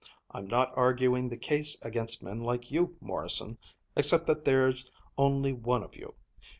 I'm not arguing the case against men like you, Morrison except that there's only one of you.